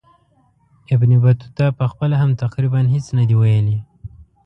ابن بطوطه پخپله هم تقریبا هیڅ نه دي ویلي.